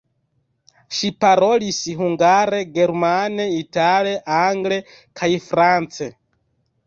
Ŝi parolis hungare, germane, itale, angle kaj france.